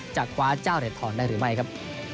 จะคว้าเจ้าเหรียญทองได้หรือไม่ครับ